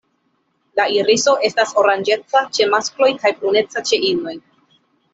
La iriso estas oranĝeca ĉe maskloj kaj bruneca ĉe inoj.